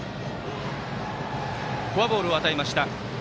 フォアボールを与えました。